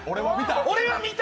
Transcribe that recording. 俺は見た！